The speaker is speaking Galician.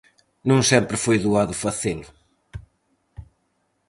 Non sempre foi doado facelo.